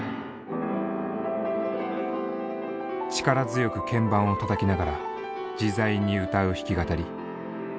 力強く鍵盤をたたきながら自在に歌う弾き語り。